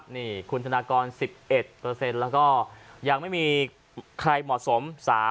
นี่คุณธนากร๑๑แล้วก็ยังไม่มีใครเหมาะสม